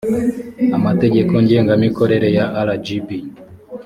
amategeko ngengamikorere ya rgb